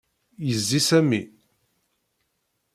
Yezzi Sami.